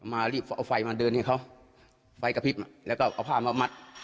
มารีบเอาไฟมาเดินให้เขาไฟกระพริบแล้วก็เอาผ้ามามัด